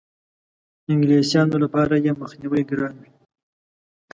انګلیسیانو لپاره یې مخنیوی ګران وي.